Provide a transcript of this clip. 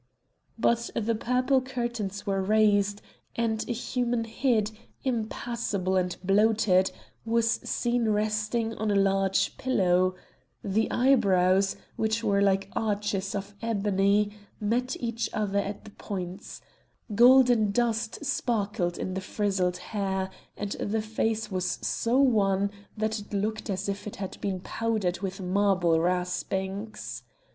But the purple curtains were raised, and a human head, impassible and bloated, was seen resting on a large pillow; the eyebrows, which were like arches of ebony, met each other at the points; golden dust sparkled in the frizzled hair, and the face was so wan that it looked as if it had been powdered with marble raspings.